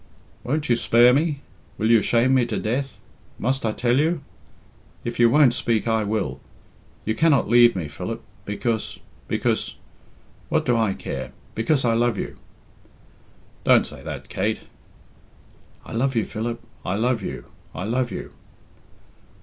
"Won't you spare me? Will you shame me to death? Must I tell you? If you won't speak, I will. You cannot leave me, Philip, because because what do I care? because I love you!" "Don't say that, Kate!" "I love you, Philip I love you I love you!"